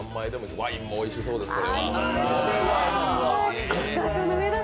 ワインもおいしそうですけど。